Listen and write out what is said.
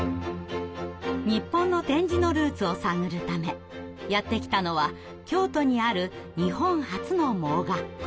日本の点字のルーツを探るためやって来たのは京都にある日本初の盲学校。